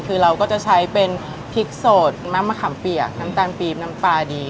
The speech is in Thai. คือเราก็จะใช้เป็นพริกสดน้ำมะขามเปียกน้ำตาลปี๊บน้ำปลาดี